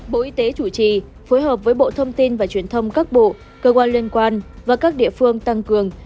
bộ y tế chủ trì phối hợp với bộ thông tin và truyền thông các bộ cơ quan liên quan và các địa phương tăng cường